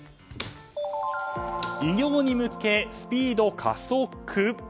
偉業に向けスピード加速？